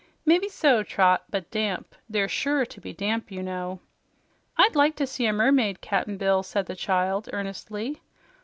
"Mebbe so, Trot, but damp. They are sure to be damp, you know." "I'd like to see a mermaid, Cap'n Bill," said the child earnestly.